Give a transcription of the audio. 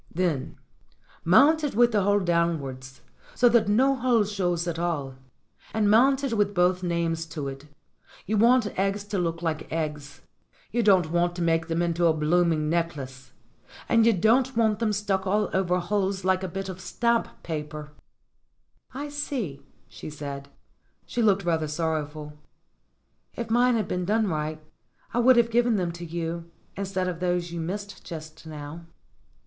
"Then mount it with the hole downwards, so that ho hole shows at all. And mount it with both names to it. You want eggs to look like eggs. You don't want to make them into a blooming necklace. And you don't want them stuck all over holes like a bit of stamp paper." 168 STORIES WITHOUT TEARS "I see," she said. She looked rather sorrowful. "If mine had been done right I would have given them to you, instead of those you missed just now."